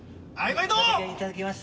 いただきます。